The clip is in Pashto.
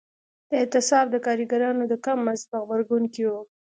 دا اعتصاب د کارګرانو د کم مزد په غبرګون کې و.